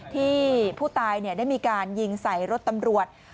ที่ผู้ตายได้มีการยิงใส่รถตำรวจ